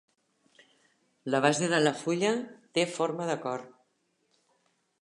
La base de la fulla té forma de cor.